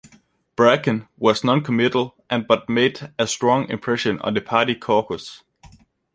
Bracken was non-committal, and but made a strong impression on the party caucus.